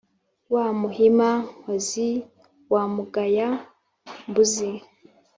wa muhima nkozi wa mugaya mbuzi,